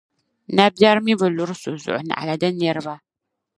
Nabεri mi bi luri so zuɣu naɣila di niriba.